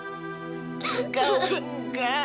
enggak wi enggak